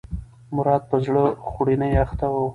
مراد په زړه خوړنې اخته و.